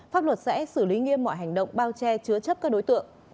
pháp luật sẽ xử lý nghiêm mọi hành động bao che chứa chấp các đối tượng